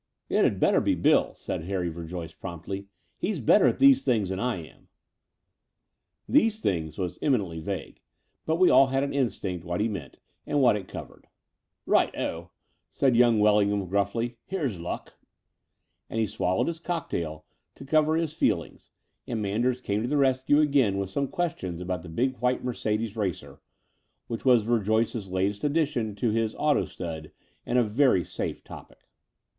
'*It'd better be Bill," said Harry Verjoyce promptly. '*He's better at these things than I am. tit These things" was eminently vague: but we all had an instinct what he meant and what it covered. ''Right oh," said young Wellingham gruflBy: "here's luck." And he swallowed his cocktail to cover his feel ings : and Manders came to the rescue again with some questions about the big white Merc6dds racer, which was Verjoyce's latest addition to his auto stud and a very safe topic.